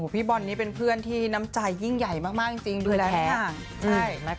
พี่บอลนี่เป็นเพื่อนที่น้ำใจยิ่งใหญ่มากจริงดูแล